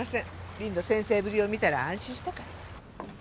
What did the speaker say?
りんの先生ぶりを見たら安心したから。